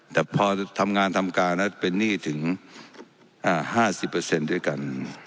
แต่พอทำงานทำการแล้วเป็นหนี้ถึงอ่าห้าสิบเปอร์เซ็นต์ด้วยกัน